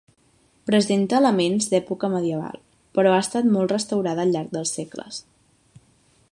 Presenta elements d'època medieval, però ha estat molt restaurada al llarg dels segles.